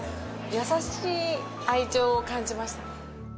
優しい愛情を感じました。